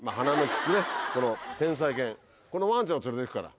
このワンちゃんを連れていくから。